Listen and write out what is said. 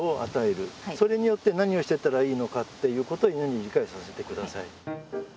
それによって何をしてったらいいのかっていうことを犬に理解させてください。